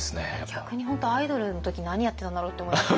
逆に本当アイドルの時何やってたんだろう？って思います。